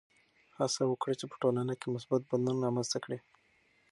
هڅه وکړه چې په ټولنه کې مثبت بدلون رامنځته کړې.